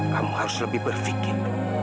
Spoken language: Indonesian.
kamu harus lebih berfikir